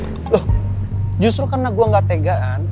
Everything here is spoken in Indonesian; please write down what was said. loh justru karena gue gak tegaan